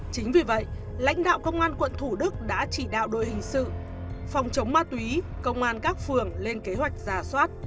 chính vì vậy lãnh đạo công an quận thủ đức đã chỉ đạo đội hình sự phòng chống ma túy công an các phường lên kế hoạch giả soát